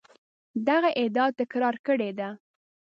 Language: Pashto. دغه ادعا تکرار کړې ده.